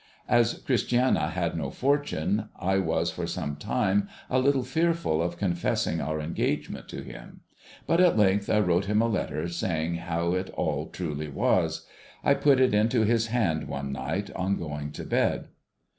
As Christiana had no fortune, I was for some time a little fearful of confessing our engagement to him ; but, at length I wrote him a letter, saying how it all truly was. I jnit it into his hand one night, on going to bed.